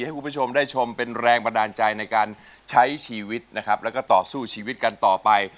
ให้คุณผู้ชมได้ชมเป็นแรงบันดาลใจในการใช้ชีวิตนะครับแล้วก็ต่อสู้ชีวิตกันต่อไป